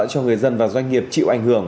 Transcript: cho người dân và doanh nghiệp chịu ảnh hưởng